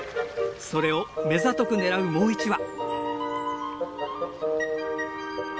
それを目ざとく狙うもう一羽。